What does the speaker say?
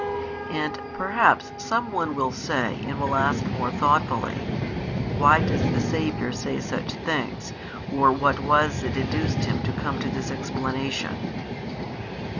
And perhaps some one will say and will ask more thoughtfully, Why does the Saviour say such things or what was it induced Him to come to this explanation